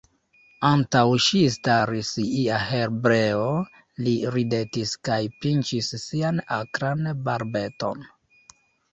Antaŭ ŝi staris ia hebreo, li ridetis kaj pinĉis sian akran barbeton.